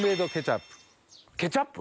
ケチャップ？